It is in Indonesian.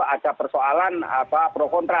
ada persoalan pro kontra